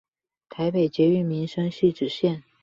台北捷運民生汐止線